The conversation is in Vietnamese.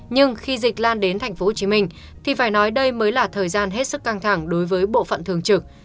nhưng khi dịch lan đến tp hcm thì phải nói đây mới là thời gian hết sức căng thẳng đối với bộ phận thường trực